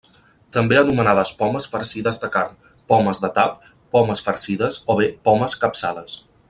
També anomenades pomes farcides de carn, pomes de tap, pomes farcides o bé pomes capçades.